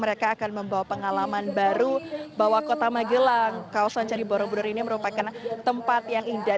mereka akan membawa pengalaman baru bahwa kota magelang kawasan candi borobudur ini merupakan tempat yang indah